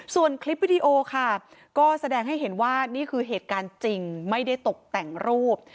ส่วนคลิปวิดีโอค่ะก็แสดงให้เห็นว่านี่คือเหตุการณ์จริงไม่ได้ตกแต่งรูป